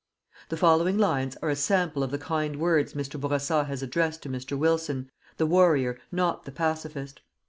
The following lines are a sample of the kind words Mr. Bourassa has addressed to Mr. Wilson the warrior not the pacifist.